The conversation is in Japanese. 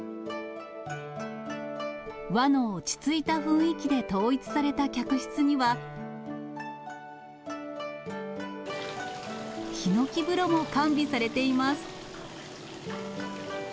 和の落ち着いた雰囲気で統一された客室には、ひのき風呂も完備されています。